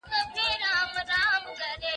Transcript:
پرمختګ ګامونه ښکاري.